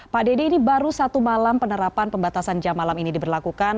pak dede ini baru satu malam penerapan pembatasan jam malam ini diberlakukan